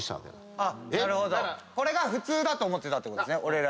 これが普通だと思ってたってことですね。